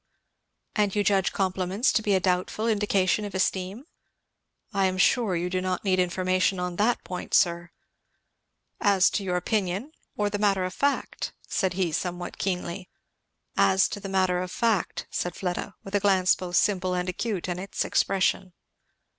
"And you judge compliments to be a doubtful indication of esteem?" "I am sure you do not need information on that point, sir." "As to your opinion, or the matter of fact?" said he somewhat keenly. "As to the matter of fact," said Fleda, with a glance both simple and acute in its expression.